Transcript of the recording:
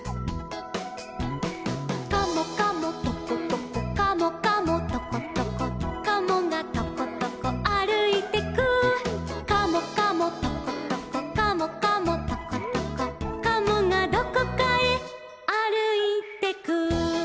「カモカモトコトコカモカモトコトコ」「カモがトコトコあるいてく」「カモカモトコトコカモカモトコトコ」「カモがどこかへあるいてく」